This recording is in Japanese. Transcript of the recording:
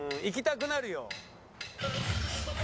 「行きたくなるよ」